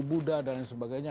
buddha dan sebagainya